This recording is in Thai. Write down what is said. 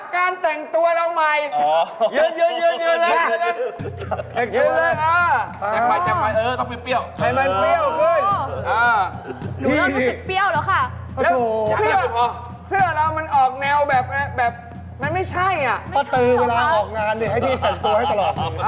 ก็วันนี้ค่ะนี่บอล